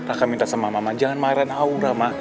aku minta sama mama jangan marah sama aura ma